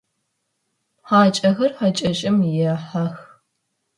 Хьакӏэхэр хьакӏэщым ехьэх.